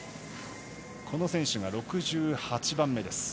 この選手が６８番目。